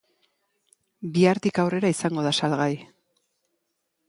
Bihartik aurrera izango da salgai.